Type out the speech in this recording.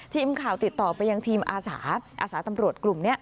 ทีมข่าวติดต่อไปยังทีมอาสาอาสาตำรวจกลุ่มนี้